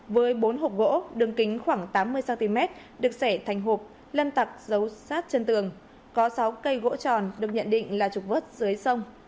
với bốn hộp gỗ đường kính khoảng tám mươi cm được xẻ thành hộp lâm tặc giấu sát chân tường có sáu cây gỗ tròn được nhận định là trục vớt dưới sông